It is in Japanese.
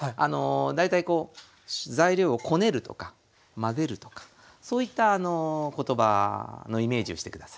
大体こう材料をこねるとか混ぜるとかそういった言葉のイメージをして下さい。